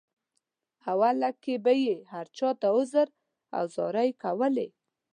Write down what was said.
اوله کې به یې هر چاته عذر او زارۍ کولې.